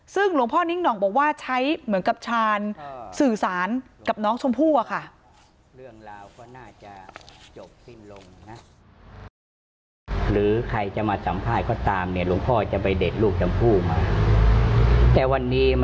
ซึ่งหลวงพ่อนิ้งหน่องบอกว่าใช้เหมือนกับชาญสื่อสารกับน้องชมพู่อะค่ะ